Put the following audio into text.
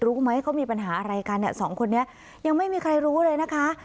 รู้ไหมเขามีปัญหาอะไรกันเนี่ยสองคนนี้ยังไม่มีใครรู้เลยนะคะ